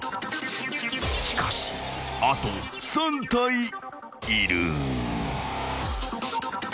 ［しかしあと３体いる］